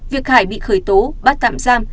việc hải bị khởi tố bắt tạm giam